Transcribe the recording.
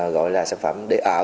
gọi là sản phẩm để ở